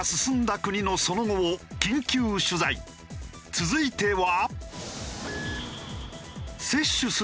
続いては。